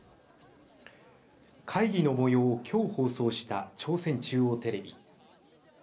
会議のもようを今日放送した朝鮮中央テレビ。